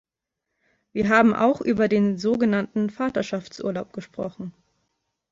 Wir haben auch über den so genannten Vaterschaftsurlaub gesprochen.